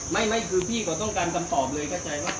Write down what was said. ไม่ไม่คือพี่ก็ต้องการสำหรับเลย